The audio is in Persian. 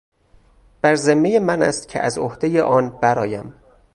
بر ذمه من است که از عهدهُ آن برآیم.